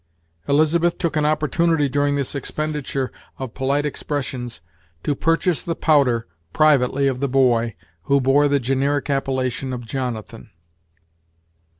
Elizabeth took an opportunity, during this expenditure of polite expressions, to purchase the powder privately of the boy, who bore the generic appellation of Jonathan.